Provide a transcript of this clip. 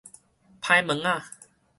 歹物仔